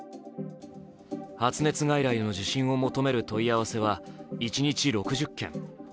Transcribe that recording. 発熱外来の受診を求める問い合わせは一日６０件。